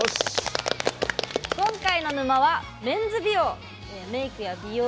今回の沼はメンズ美容。